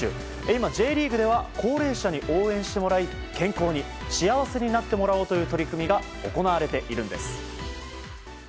今Ｊリーグでは高齢者に応援してもらい健康に幸せになってもらおうという取り組みが行われているんです。